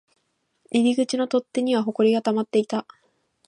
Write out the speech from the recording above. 入り口の取っ手には埃が溜まっていた